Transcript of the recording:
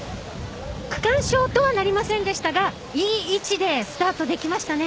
区間賞とはなりませんでしたがいい位置でスタートできましたね。